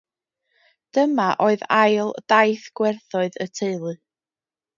Dyma oedd ail Daith Gwerthoedd y Teulu.